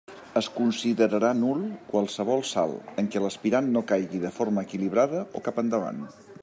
Es considerarà nul qualsevol salt en què l'aspirant no caigui de forma equilibrada o cap endavant.